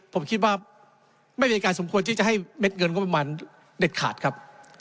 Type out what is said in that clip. ผมคิดว่าไม่มีการสมควรที่จะให้เม็ดเงินงบประมาณเด็ดขาดครับ